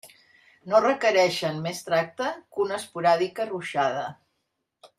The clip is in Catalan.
No requereixen més tracte que una esporàdica ruixada.